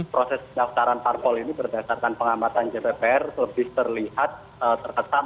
proses pendaftaran parpol ini berdasarkan pengamatan jppr lebih terlihat terkesan